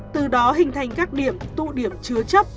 từ đó hình thành các điểm tụ điểm chứa chấp